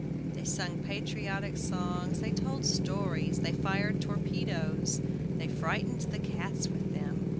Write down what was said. They sung patriotic songs, they told stories, they fired torpedoes, they frightened the cats with them.